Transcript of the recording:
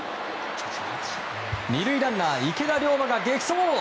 ２塁ランナー、池田陵真が激走！